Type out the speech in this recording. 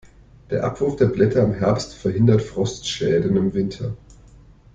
Der Abwurf der Blätter im Herbst verhindert Frostschäden im Winter.